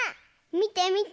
みてみて。